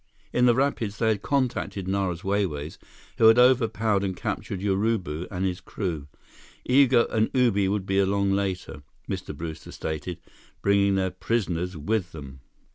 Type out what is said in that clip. In the rapids, they had contacted Nara's Wai Wais, who had overpowered and captured Urubu and his crew. Igo and Ubi would be along later, Mr. Brewster stated, bringing their prisoners with them.